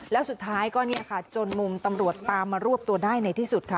แล้วสุดท้ายก็เนี่ยค่ะจนมุมตำรวจตามมารวบตัวได้ในที่สุดค่ะ